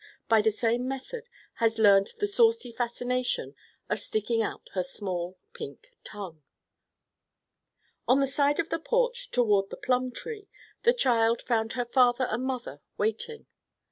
by the same method had learned the saucy fascination of sticking out her small pink tongue. On the side of the porch toward the plum tree the child found her father and mother waiting.